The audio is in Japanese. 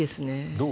どう？